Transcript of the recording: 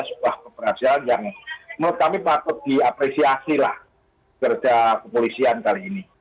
sebuah keberhasilan yang menurut kami patut diapresiasi lah kerja kepolisian kali ini